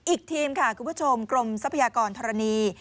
อีกทีมค่ะคุณผู้ชมกรมทรัพยากรธรณี